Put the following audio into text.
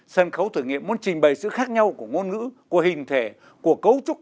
sân khấu thử nghiệm muốn trình bày sự khác nhau của ngôn ngữ của hình thể của cấu trúc